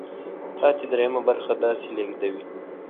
پاتې درېیمه برخه داسې لیږدوي.